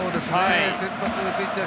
先発ピッチャー